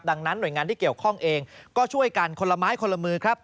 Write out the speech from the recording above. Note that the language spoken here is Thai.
ดังนั้นหน่วยงานที่เกี่ยวข้องเองก็ช่วยกันคนละไม้คนละมือครับ